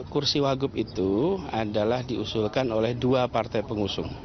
kursi wagub itu adalah diusulkan oleh dua partai pengusung